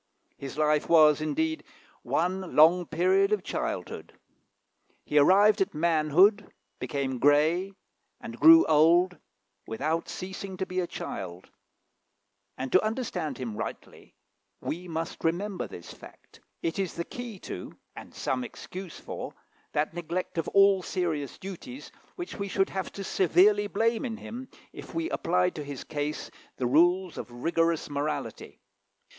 His life was, indeed, one long period of childhood. He arrived at manhood, became grey, and grew old, without ceasing to be a child; and to understand him rightly we must remember this fact. It is the key to, and some excuse for, that neglect of all serious duties which we should have to severely blame in him, if we applied to his case the rules of rigorous morality.